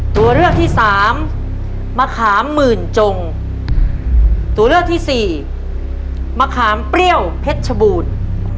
ตัวเลือกที่สามมะขามหมื่นจงตัวเลือกที่สี่มะขามเปรี้ยวเพชรชบูรณ์